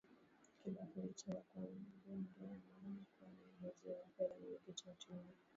Kibaki licha ya kuwa mbunge amewahi kuwa Naibu Waziri wa Fedha Mwenyekiti wa Tume